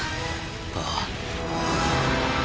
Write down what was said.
ああ。